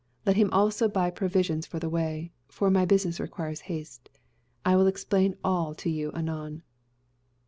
Let him also buy provisions for the way; for my business requires haste. I will explain all to you anon."